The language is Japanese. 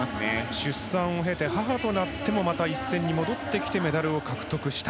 出産を経て母となってもまた一線に戻ってきてメダルを獲得した。